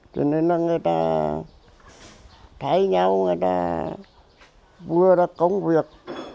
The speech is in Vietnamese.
cho nên là người ta thấy nhau người ta vừa đã công việc